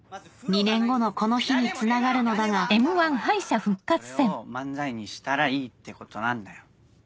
２年後のこの日につながるのだがそれを漫才にしたらいいってことなんだよ。